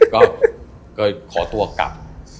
ก็ก็ขอตัวกลับ